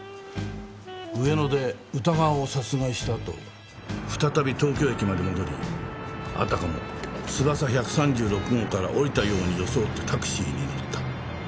上野で宇田川を殺害した後再び東京駅まで戻りあたかもつばさ１３６号から降りたように装ってタクシーに乗った。